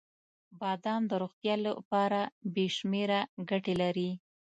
• بادام د روغتیا لپاره بې شمیره ګټې لري.